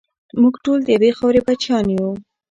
موږ ټول د یوې خاورې بچیان یو.